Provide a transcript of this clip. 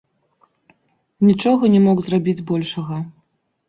Нічога не мог зрабіць большага.